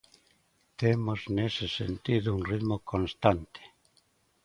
Temos nese sentido un ritmo constante.